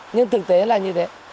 nhưng thực tế là như thế